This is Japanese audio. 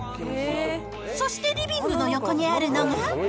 そして、リビングの横にあるのが。